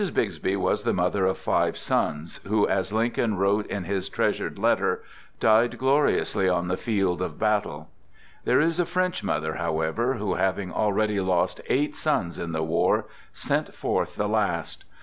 BIXBY Mrs. Bixby was the mother of five sons, who, as Lincoln wrote in his treasured letter, died gloriously on the field of battle. There is a French mother, however, who having already lost eight sons in the war, sent forth the last.